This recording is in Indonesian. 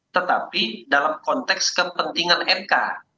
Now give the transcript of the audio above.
tetapi dalam konteks kepentingan mk